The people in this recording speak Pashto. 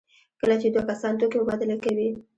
کله چې دوه کسان توکي مبادله کوي.